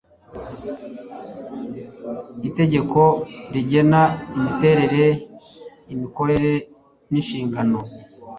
itegeko rigena imiterere, imikorere n'inshingano